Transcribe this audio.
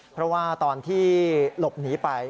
เพราะว่าตอนที่หลบหนีไป